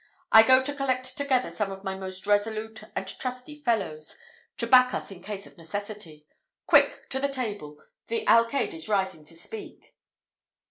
I go to collect together some of my most resolute and trusty fellows, to back us in case of necessity. Quick! to the table! The alcayde is rising to speak."